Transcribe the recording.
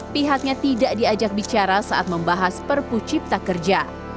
pihaknya tidak diajak bicara saat membahas perpu cipta kerja